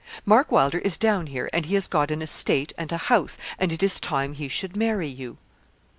Mark Wylder is down here, and he has got an estate and a house, and it is time he should marry you.'